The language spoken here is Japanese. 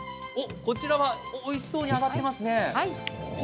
こちらはおいしそうに揚がってますね？